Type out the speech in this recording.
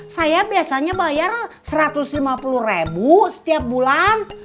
saya biasanya bayar satu ratus lima puluh setiap bulan